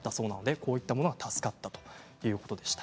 こういうものは助かったということでした。